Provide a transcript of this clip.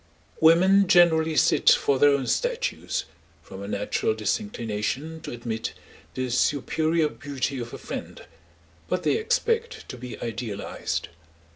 Women generally sit for their own statues, from a natural disinclination to admit the superior beauty of a friend, but they expect to be idealised.